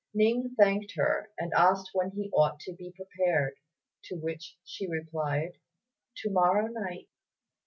Ning thanked her, and asked when he ought to be prepared; to which she replied, "To morrow night."